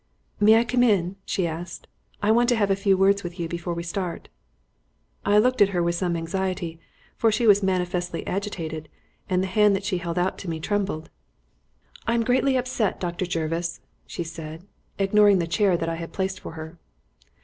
"May I come in?" she asked. "I want to have a few words with you before we start." I looked at her with some anxiety, for she was manifestly agitated, and the hand that she held out to me trembled. "I am greatly upset, Dr. Jervis," she said, ignoring the chair that I had placed for her.